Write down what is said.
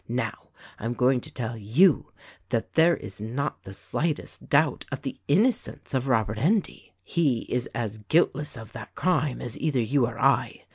Now, I am going to tell you that there is not the slightest doubt of the inno cence of Robert Endy. He is as guiltless of that crime as cither you or I.